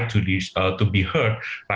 sebagai hak untuk diperhatikan